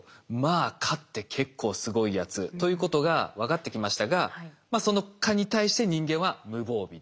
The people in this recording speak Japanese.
蚊って結構すごいやつということが分かってきましたがその蚊に対して人間は無防備だと。